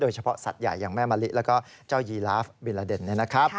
เฉพาะสัตว์ใหญ่อย่างแม่มะลิแล้วก็เจ้ายีลาฟบิลาเดน